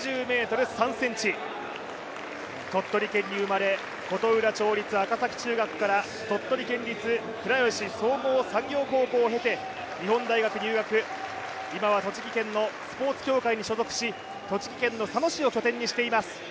鳥取県に生まれ、鳥取県立倉吉総合産業高校を経て、日本大学入学、今は栃木県のスポーツ協会に所属し、栃木県の佐野市を拠点としています。